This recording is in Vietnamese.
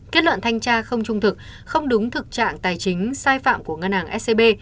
kết luận thanh tra không trung thực không đúng thực trạng tài chính sai phạm của ngân hàng scb